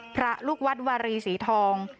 พระลูกวัดวารีสีทอง